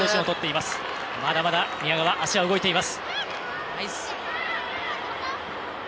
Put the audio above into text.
まだまだ宮川足は動いています。